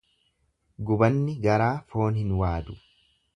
Gubanni garaa foon hin waadu.